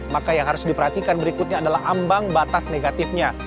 maka yang harus diperhatikan berikutnya adalah ambang batas negatifnya